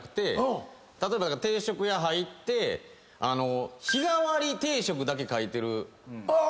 例えば定食屋入って日替わり定食だけ書いてる所。